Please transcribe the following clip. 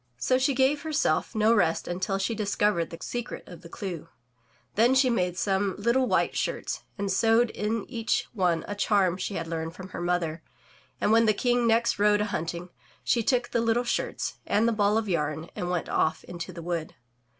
So she gave herself no rest until she discovered the secret of the clew. Then she made some little white shirts and sewed in each one a charm she had learned from her mother, and when the King next rode a himting, she took the little shirts and the ball of yam and went off into the wood.